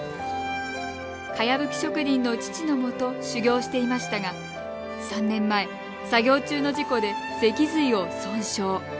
かやぶき職人の父のもと修行していましたが、３年前作業中の事故で脊髄を損傷。